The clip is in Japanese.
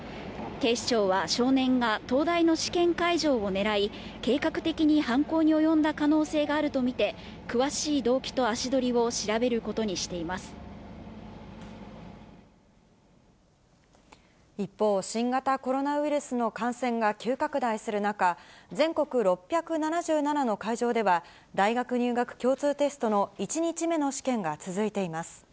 警視庁は、少年が東大の試験会場を狙い、計画的に犯行に及んだ可能性があると見て、詳しい動機と足取りを一方、新型コロナウイルスの感染が急拡大する中、全国６７７の会場では、大学入学共通テストの１日目の試験が続いています。